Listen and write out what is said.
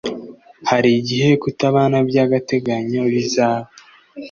harigihe kutabana by agateganyo bizaba